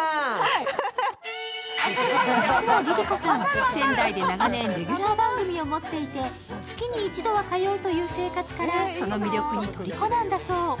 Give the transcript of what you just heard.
実はＬｉＬｉＣｏさん、仙台で長年、レギュラー番組を持っていて月に一度は通うという生活からその魅力にとりこなんだそう。